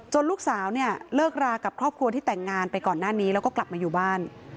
ลูกสาวเนี่ยเลิกรากับครอบครัวที่แต่งงานไปก่อนหน้านี้แล้วก็กลับมาอยู่บ้าน